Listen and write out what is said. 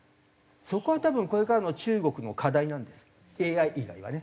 そこは多分これからの中国の課題なんですよＡＩ以外はね。